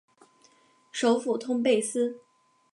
首府通贝斯。